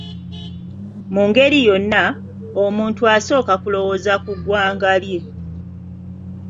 Mu ngeri yonna, omuntu asooka kulowooza ku ggwanga lye.